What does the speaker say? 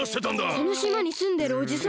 このしまにすんでるおじさん！